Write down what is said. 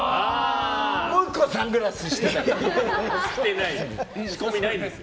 もう１個サングラスしてるよ。